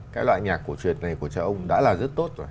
cái loại nhạc cổ truyền này của cha ông đã là rất tốt rồi